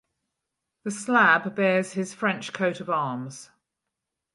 The slab bears his French coat of arms.